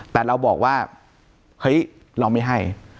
แต่เราบอกว่าเฮ้ยเราไม่ให้